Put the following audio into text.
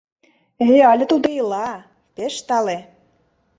— Э, але тудо ила, пеш тале.